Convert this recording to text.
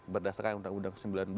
berdasarkan undang undang sembilan belas